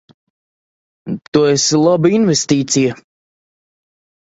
Tu esi laba investīcija.